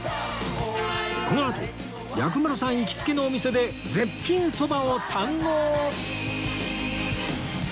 このあと薬丸さん行きつけのお店で絶品そばを堪能！